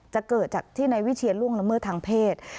จะเกิดจากที่นายวิเชียรล่วงละเมิดทางเพศ